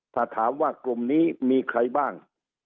ถ้าถามว่ากลุ่มนี้มีใครบ้าง